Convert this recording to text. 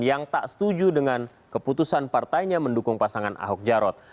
yang tak setuju dengan keputusan partainya mendukung pasangan ahok jarot